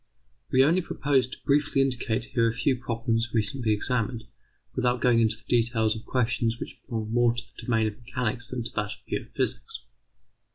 We only propose to briefly indicate here a few problems recently examined, without going into the details of questions which belong more to the domain of mechanics than to that of pure physics.